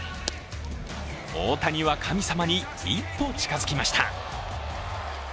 大谷は神様に一歩近づきました。